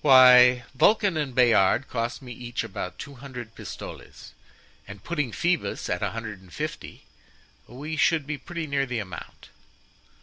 "Why, Vulcan and Bayard cost me each about two hundred pistoles, and putting Phoebus at a hundred and fifty, we should be pretty near the amount."